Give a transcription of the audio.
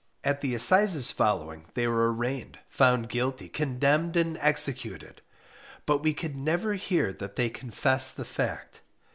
At the assizes following they were arraigned, found guilty, condemned, and executed, but we could never hear that they confessed the fact.